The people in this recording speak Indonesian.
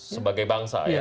sebagai bangsa ya